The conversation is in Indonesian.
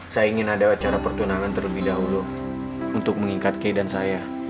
saya ingin ada acara pertunangan terlebih dahulu untuk mengingkat kei dan saya